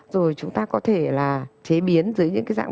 rồi chúng ta có thể là chế biến dưới những cái dạng